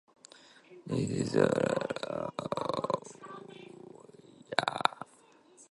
It is also the second-tallest building in Australia and the tallest building in Melbourne.